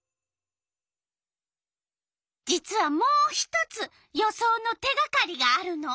実はもう１つ予想の手がかりがあるの。